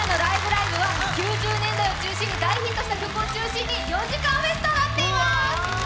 ライブ！」は９０年代を中心に大ヒットした曲を中心に４時間フェスとなっています。